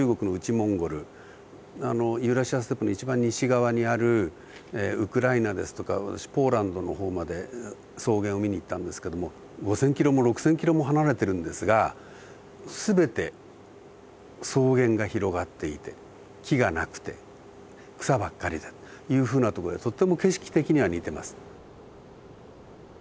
モンゴルユーラシアステップの一番西側にあるウクライナですとか私ポーランドの方まで草原を見に行ったんですけども５，０００キロも６，０００キロも離れてるんですが全て草原が広がっていて木がなくて草ばっかりだというふうなとこでとっても景色的には似てます。